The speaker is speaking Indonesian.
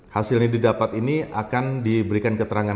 hasil yang didapat ini akan diberikan keterangan